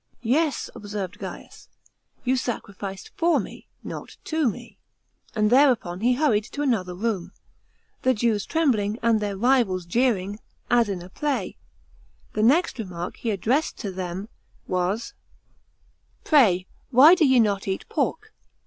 " Yes," observed Gaius, "you sacrificed for me, not to me ;" and thereupon he hurried to another room, the Jews trembling, and their rivals jeering, " as in a play." The next remark he addressed to them was, "Pray, why do ye not eat pork?"